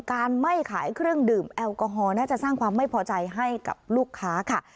การไม่ขายเครื่องดื่มแอลกอฮอลน่าจะสร้างความไม่พอใจให้กับลูกค้าค่ะ